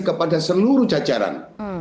kepada seluruh jajaran